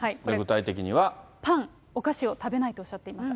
パン、お菓子を食べないとおっしゃっています。